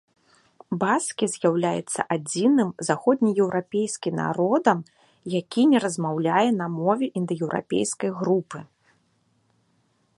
Баскі з'яўляецца адзіным заходнееўрапейскі народам, які не размаўляе на мове індаеўрапейскай групы.